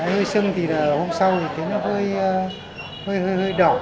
hơi sưng thì là hôm sau thì thấy nó hơi đỏ